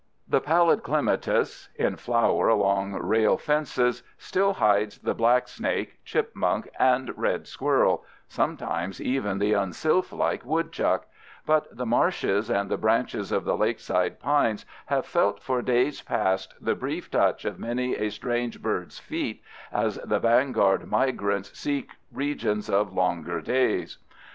The pallid clematis, in flower along rail fences, still hides the blacksnake, chipmunk, and red squirrel—sometimes even the unsylphlike woodchuck—but the marshes and the branches of the lakeside pines have felt for days past the brief touch of many a strange bird's feet as the vanguard migrants seek regions of longer days.